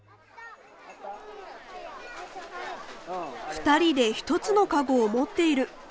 ２人で１つのカゴを持っている。